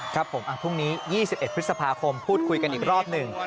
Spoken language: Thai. ครับผมพรุ่งนี้๒๑พฤษภาคมพูดคุยกันอีกรอบหนึ่ง